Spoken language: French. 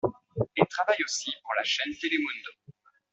Il travaille aussi pour la chaîne Telemundo.